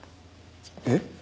えっ？